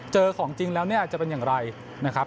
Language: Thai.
เจอของจริงแล้วจะเป็นอย่างไรนะครับ